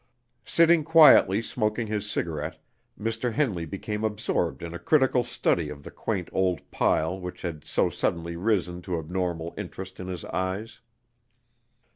Sitting quietly smoking his cigarette, Mr. Henley became absorbed in a critical study of the quaint old pile which had so suddenly risen to abnormal interest in his eyes.